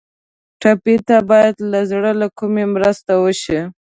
ټپي ته باید د زړه له کومي مرسته وشي.